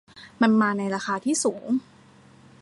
มันมาในราคาที่สูง